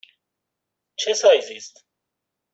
چه سایزی است؟